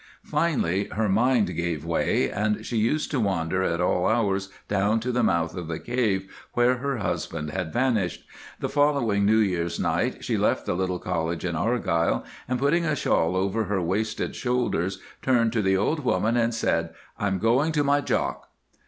Finally, her mind gave way, and she used to wander at all hours down to the mouth of the cave where her husband had vanished. The following New Year's night she left the little cottage in Argyle, and putting a shawl over her wasted shoulders, turned to the old woman and said, "I'm going to my Jock."